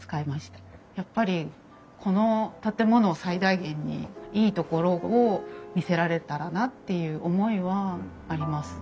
やっぱりこの建物を最大限にいいところを見せられたらなっていう思いはあります。